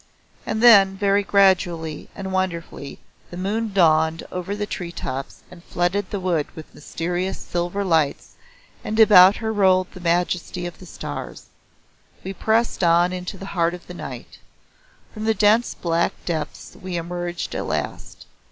And then, very gradually and wonderfully the moon dawned over the tree tops and flooded the wood with mysterious silver lights and about her rolled the majesty of the stars. We pressed on into the heart of the night. From the dense black depths we emerged at last.